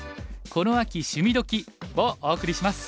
この秋『趣味どきっ！』」をお送りします。